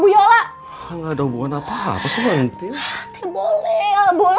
jangan te gugup